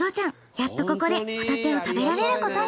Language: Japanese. やっとここでホタテを食べられることに。